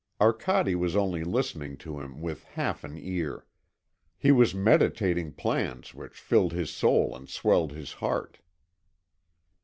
Arcade was only listening to him with half an ear. He was meditating plans which filled his soul and swelled his heart.